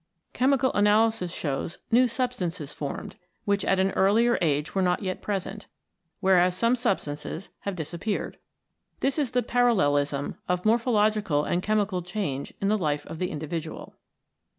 Chemical analysis shows new substances formed, which at an earlier age were not yet present, whereas some substances have disappeared. This is the parallelism of morphological and chemical change in the life of the individual.